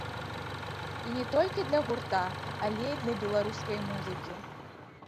І не толькі для гурта, але і для беларускай музыкі.